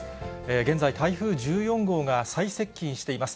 現在、台風１４号が最接近しています。